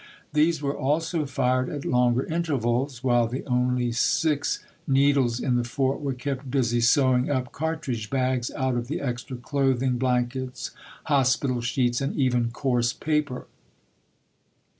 These were also fired at longer intervals, while the only six needles in the fort were kept busy sewing up cartridge bags out 62 ABKAHAM LINCOLN CHAP. III. of the extra clothing, blankets, hospital sheets, and even coarse paper.